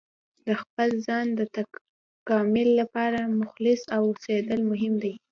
د خپل ځان د تکامل لپاره مخلص اوسیدل مهم دي.